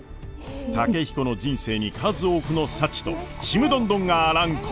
健彦の人生に数多くの幸とちむどんどんがあらんことを！